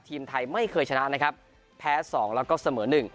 ทีมไทยไม่เคยชนะนะครับแพ้๒แล้วก็เสมอ๑